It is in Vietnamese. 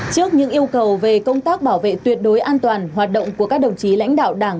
trước những yêu cầu về công tác bảo vệ tuyệt đối an toàn hoạt động của các đồng chí lãnh đạo đảng